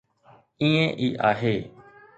ائين ئي آهي.